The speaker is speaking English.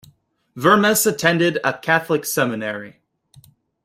Vermes attended a Catholic seminary.